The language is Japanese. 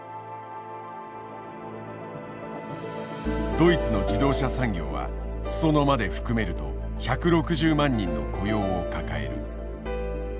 ドイツの自動車産業は裾野まで含めると１６０万人の雇用を抱える。